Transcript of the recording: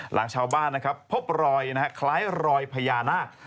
หลังชาวบ้านนะครับพบรอยคล้ายรอยพญานาค